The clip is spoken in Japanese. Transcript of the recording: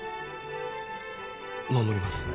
守ります。